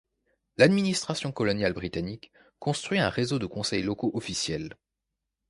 L'administration coloniale britannique construit un réseau de conseils locaux officiels.